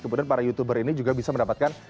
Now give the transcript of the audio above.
kemudian para youtuber ini juga bisa mendapatkan